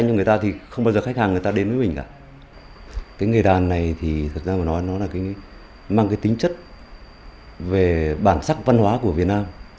nhiều người trẻ tuổi trong làng nghề làm đàn đào xá